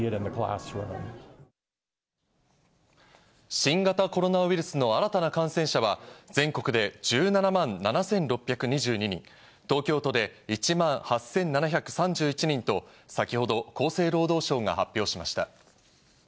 新型コロナウイルスの新たな感染者は、全国で１７万７６２２人、東京都で１万８７３１人と、先ほど厚生労働省が発表しました。